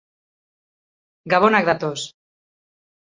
Gabonak datoz.